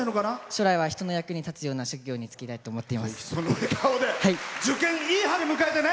将来は人の役に立つような職業に就きたいと思っています。